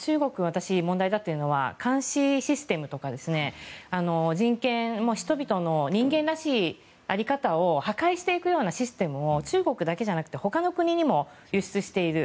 私、問題だと思うのは監視システムとか人権も人々の人間らしい在り方を破壊していくようなシステムを中国だけじゃなくて他の国にも輸出している。